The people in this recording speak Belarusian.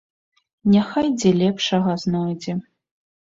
Няхай дзе лепшага знойдзе.